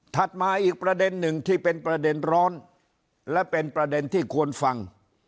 มาอีกประเด็นหนึ่งที่เป็นประเด็นร้อนและเป็นประเด็นที่ควรฟัง